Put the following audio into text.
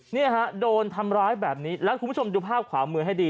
เนี่ยฮะโดนทำร้ายแบบนี้แล้วคุณผู้ชมดูภาพขวามือให้ดี